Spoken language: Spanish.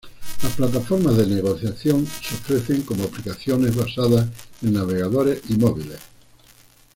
Las plataformas de negociación se ofrecen como aplicaciones basadas en navegadores y móviles.